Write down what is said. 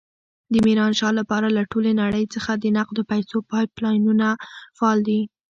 د ميرانشاه لپاره له ټولې نړۍ څخه د نقدو پيسو پایپ لاینونه فعال دي.